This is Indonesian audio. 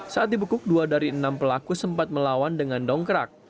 saat dibekuk dua dari enam pelaku sempat melawan dengan dongkrak